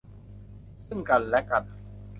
ซึ่งกันและกัน